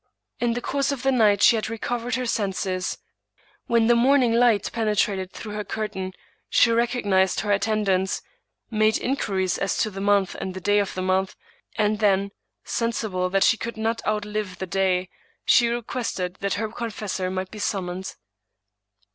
In the course of the night she had recovered her senses. When the morning light penetrated through her curtain, she recognized her attendants, made inquiries as to the month and the day of the month, and then, sensible that she could not outlive the day, she requested that her confessor might be summoned.